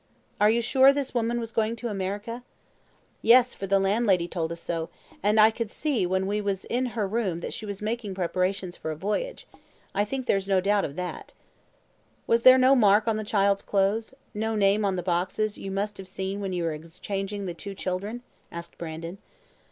"Are you sure this woman was going to America?" "Yes, for the landlady told us so, and I could see when we was in her room that she was making preparations for a voyage. I think there's no doubt of that." "Was there no mark on the child's clothes? no name on the boxes you must have seen when you were exchanging the two children?" asked Brandon.